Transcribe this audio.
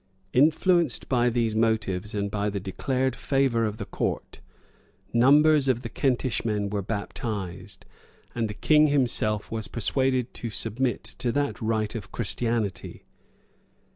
Influenced by these motives, and by the declared favor of the court, numbers of the Kentish men were baptized; and the king himself was persuaded to submit to that rite of Christianity.